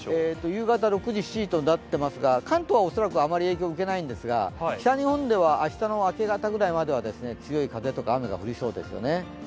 夕方６時、７時となっていますが、関東は恐らくあまり影響を受けないんですが、北日本では明日の明け方ぐらいまでは強い風とか雨が降りそうですね。